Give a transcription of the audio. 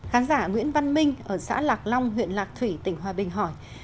khán giả nguyễn văn minh ở xã lạc long huyện lạc thủy tỉnh hòa bình hỏi